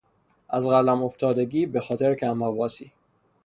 از قلم افتادگی به خاطر کمحواسی